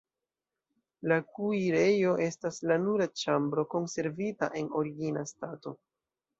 La kuirejo estas la nura ĉambro konservita en origina stato.